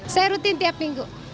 saya rutin tiap minggu